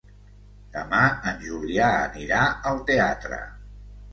Demà en Julià anirà al teatre.